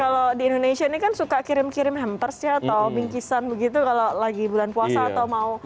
kalau di indonesia ini kan suka kirim kirim hampers ya atau bingkisan begitu kalau lagi bulan puasa atau mau